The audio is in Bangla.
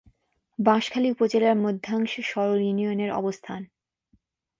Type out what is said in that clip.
বাঁশখালী উপজেলার মধ্যাংশে সরল ইউনিয়নের অবস্থান।